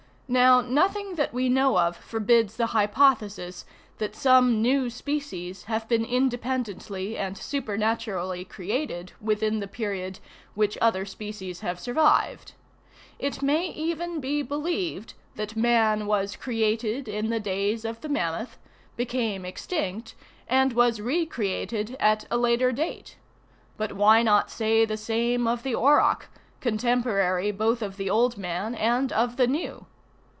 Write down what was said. Now, nothing that we know of forbids the hypothesis that some new species have been independently and supernaturally created within the period which other species have survived. It may even be believed that man was created in the days of the mammoth, became extinct, and was recreated at a later date. But why not say the same of the auroch, contemporary both of the old man and of the new?